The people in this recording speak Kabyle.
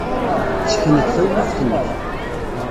Ssken-d tawlaft-nnek.